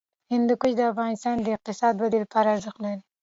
هندوکش د افغانستان د اقتصادي ودې لپاره ارزښت لري.